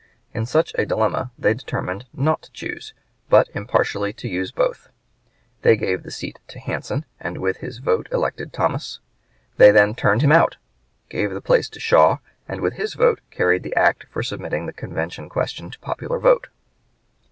In such a dilemma they determined not to choose, but impartially to use both. They gave the seat to Hansen, and with his vote elected Thomas; they then turned him out, gave the place to Shaw, and with his vote carried the act for submitting the convention question to a popular vote.